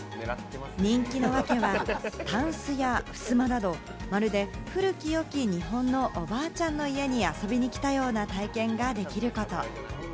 人気のワケはタンスやふすまなどまるで古き良き、日本のおばあちゃんの家に遊びに来たような体験ができること。